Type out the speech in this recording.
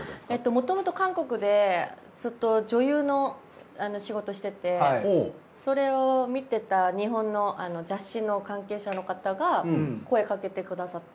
もともと韓国でずっと女優の仕事しててそれを見てた日本の雑誌の関係者の方が声かけてくださって。